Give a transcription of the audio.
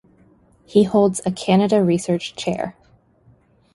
He holds a Canada Research Chair.